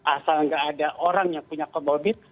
asal nggak ada orang yang punya comorbid